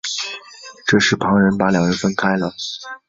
这时旁人把两人分开了。